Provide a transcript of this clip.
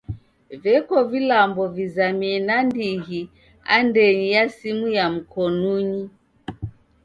Veko vilambo vizamie nandighi andenyi ya simu ya mkonunyi.